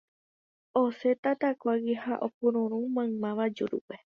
Osẽ tatakuágui ha opururũ maymáva jurúpe.